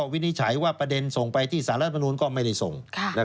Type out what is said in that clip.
วินิจฉัยว่าประเด็นส่งไปที่สารรัฐมนุนก็ไม่ได้ส่ง